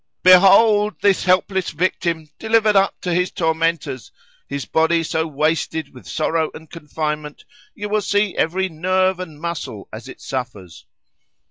]——"Behold this helpless victim delivered up to his tormentors,—his body so wasted with sorrow and confinement, you will see every nerve and muscle as it suffers.